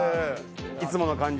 いつもの感じ